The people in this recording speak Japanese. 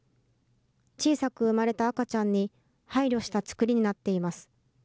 小さく産まれた赤ちゃんに配慮した作りになっています。